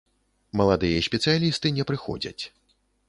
Маладыя спецыялісты не прыходзяць.